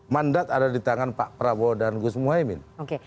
mandat ada di tangan pak prabowo dan gus muhaymin